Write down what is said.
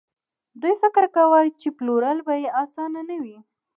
دوی فکر کاوه چې پلورل به يې اسانه نه وي.